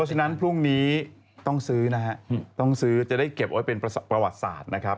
ฉะนั้นพรุ่งนี้ต้องซื้อนะฮะต้องซื้อจะได้เก็บไว้เป็นประวัติศาสตร์นะครับ